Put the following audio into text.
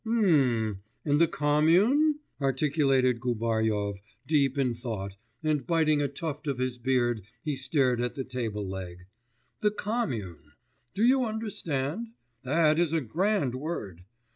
'Mmm ... and the commune?' articulated Gubaryov, deep in thought, and biting a tuft of his beard he stared at the table leg. 'The commune!... Do you understand. That is a grand word!